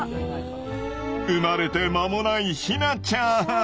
生まれて間もないヒナちゃん。